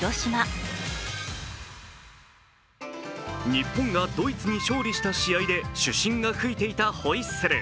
日本がドイツに勝利した試合で主審が吹いていたホイッスル。